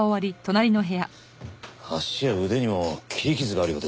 足や腕にも切り傷があるようですね。